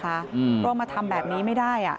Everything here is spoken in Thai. เพราะมาทำแบบนี้ไม่ได้